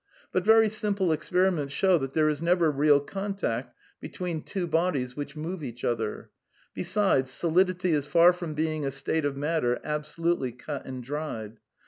But very simple experiments show that there is never real contact between two bodies which move each other ; besides, solidity is far from being a state of matter absolutely • cut and dried.